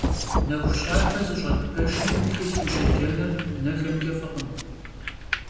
Nexu şabe zış'et peşşım txılh vuşêcenır nexemç'e f'ıkhım.